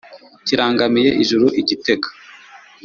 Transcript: Kirangamiye ijuru-Igitega.